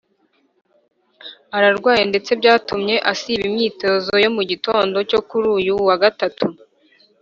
Ararwaye ndetse byatumye asiba imyitozo yo mu gitondo cyo kuri uyu wa Gatatu